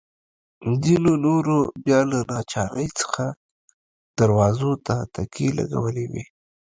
ځینو نورو بیا له ناچارۍ څخه دروازو ته تکیې لګولي وې.